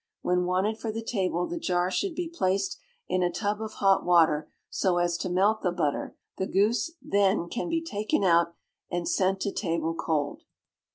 When wanted for the table the jar should be placed in a tub of hot water, so as to melt the butter, the goose then can he taken out, and sent to table cold.